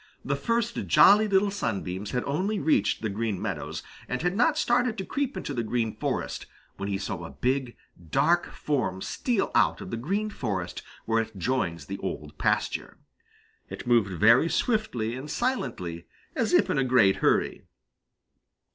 The first Jolly Little Sunbeams had only reached the Green Meadows and had not started to creep into the Green Forest, when he saw a big, dark form steal out of the Green Forest where it joins the Old Pasture. It moved very swiftly and silently, as if in a great hurry.